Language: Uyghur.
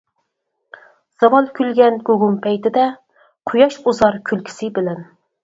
زاۋال كۈلگەن گۇگۇم پەيتىدە، قۇياش ئۇزار كۈلكىسى بىلەن.